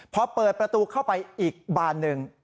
พอเปิดประตูเข้าไปอีกบานหนึ่ง